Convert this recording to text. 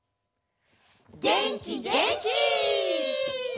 げんきげんき！